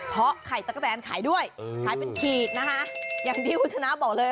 เพราะไข่ตะกะแตนขายด้วยขายเป็นขีดนะคะอย่างที่คุณชนะบอกเลย